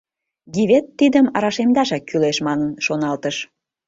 Гивет тидым рашемдашак кӱлеш манын, шоналтыш.